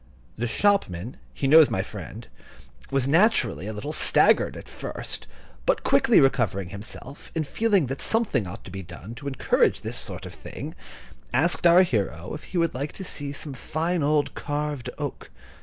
The shopman (he knows my friend) was naturally a little staggered at first; but, quickly recovering himself, and feeling that something ought to be done to encourage this sort of thing, asked our hero if he would like to see some fine old carved oak.